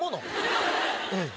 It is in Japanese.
うん。